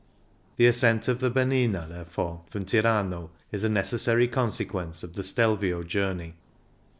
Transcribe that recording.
The ascent of the Bernina, therefore, from Tirano is a necessary consequence of the Stelvio journey.